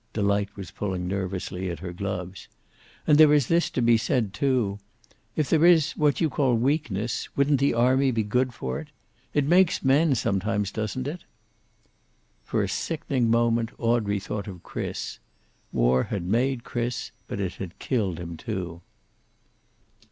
Delight was pulling nervously at her gloves. "And there is this to be said, too. If there is what you call weakness, wouldn't the army be good for it? It makes men, some times, doesn't it?" For a sickening moment, Audrey thought of Chris. War had made Chris, but it had killed him, too.